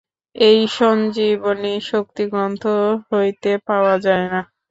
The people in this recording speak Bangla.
এই সঞ্জীবনী শক্তি গ্রন্থ হইতে পাওয়া যায় না।